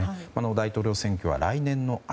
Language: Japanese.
大統領選挙は来年の秋。